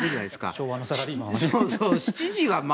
昭和のサラリーマンはね。